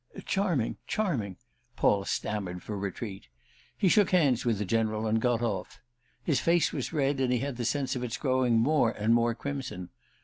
"Charming—charming!" Paul stammered for retreat. He shook hands with the General and got off. His face was red and he had the sense of its growing more and more crimson.